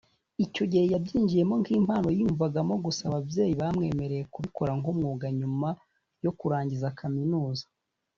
Icyo gihe yabyinjiyemo nk’impano yiyumvagamo gusa ababyeyi bamwemereye kubikora nk’umwuga nyuma yo kurangiza kaminuza